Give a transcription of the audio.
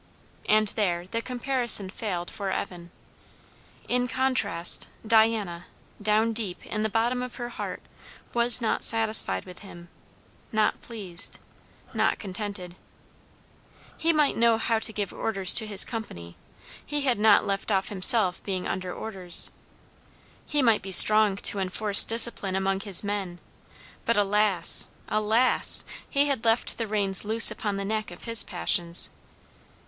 And there the comparison failed for Evan. In the contrast, Diana, down deep in the bottom of her heart, was not satisfied with him, not pleased, not contented. He might know how to give orders to his company, he had not left off himself being under orders; he might be strong to enforce discipline among his men, but alas! alas! he had left the reins loose upon the neck of his passions.